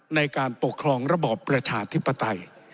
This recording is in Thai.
ในการปกครองระบอบประชาธิปไตย